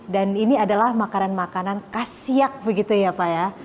dan ini adalah makanan makanan kas siak begitu ya pak ya